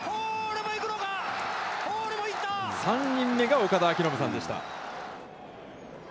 ３人目が岡田彰布さんでした。